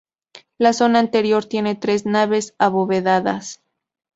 La zona interior tiene tres naves abovedadas.